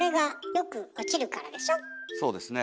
そうですね。